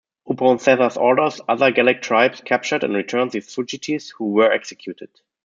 Upon Caesar's orders, other Gallic tribes captured and returned these fugitives, who were executed.